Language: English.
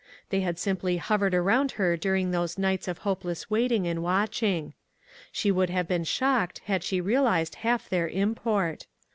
They had simply hovered around her during those nights of hopeless waiting and watching. She would have been shocked had she realized half their import.